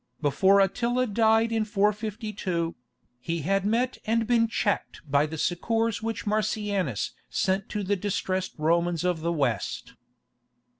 Before Attila died in 452, he had met and been checked by the succours which Marcianus sent to the distressed Romans of the West.